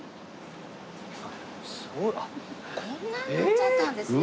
こんなになっちゃったんですね